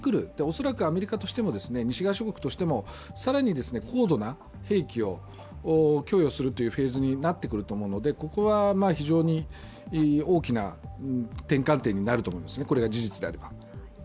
恐らくアメリカとしても、西側諸国としても、更に高度な兵器を供与するというフェーズになってくるのでここは非常に大きな転換点になると思いますね、これが事実であれば。